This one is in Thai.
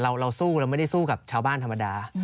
เราสู้เราไม่ได้สู้กับชาวบ้านธรรมดา